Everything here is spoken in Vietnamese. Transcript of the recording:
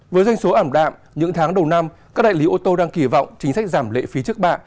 với doanh số ảm đạm những tháng đầu năm các đại lý ô tô đang kỳ vọng chính sách giảm lệ phí trước bạ